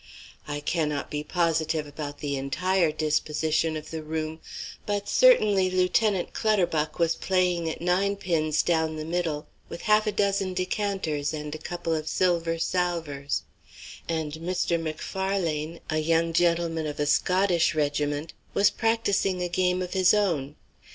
I cannot be positive about the entire disposition of the room: but certainly Lieutenant Clutterbuck was playing at ninepins down the middle with half a dozen decanters and a couple of silver salvers; and Mr. Macfarlane, a young gentleman of a Scottish regiment, was practising a game of his own.